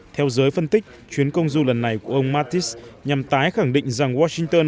theo giới phân tích chuyến công du lần này của ông mattis nhằm tái khẳng định rằng washington